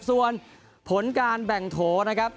ส่วนผลการแบ่งโถนะครับ